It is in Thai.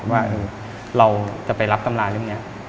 ว่าเราจะไปรับตำราเรื่องนี้